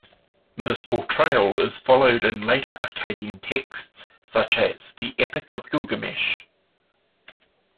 This portrayal is followed in later Akkadian texts such as "The Epic of Gilgamesh".